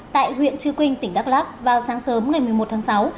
tại huyện trư quynh tỉnh đắk lắc vào sáng sớm ngày một mươi một tháng sáu